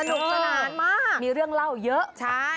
นุกสนานมากมีเรื่องเล่าเยอะใช่